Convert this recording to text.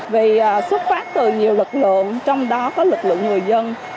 vì xuất phát từ nhiều lực lượng trong đó có lực lượng người dân